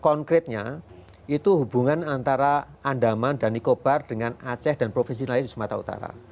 konkretnya itu hubungan antara andaman dan nikobar dengan aceh dan provinsi lain di sumatera utara